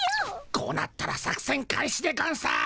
こうなったら作戦開始でゴンス。